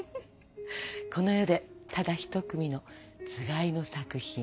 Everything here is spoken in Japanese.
この世でただひと組のつがいの作品。